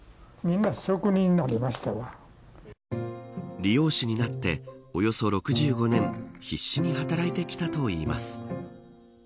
理容師になっておよそ６５年必死に働いてきたといいます。